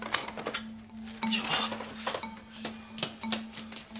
じゃあ。